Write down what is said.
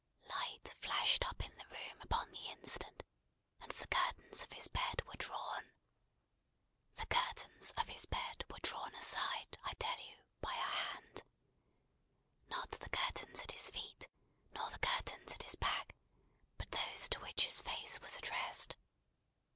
Light flashed up in the room upon the instant, and the curtains of his bed were drawn. The curtains of his bed were drawn aside, I tell you, by a hand. Not the curtains at his feet, nor the curtains at his back, but those to which his face was addressed.